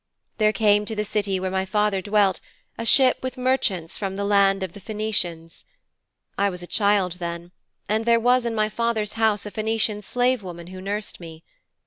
'There came to the city where my father dwelt, a ship with merchants from the land of the Phœnicians. I was a child then, and there was in my father's house a Phœnician slave woman who nursed me.